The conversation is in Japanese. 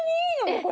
これ。